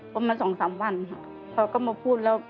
ก็มาสองสามวันเขาก็มาพูดแล้ว